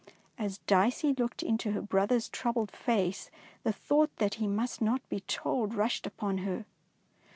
As Dicey looked into her brother's troubled face, the thought that he must not be told rushed upon her.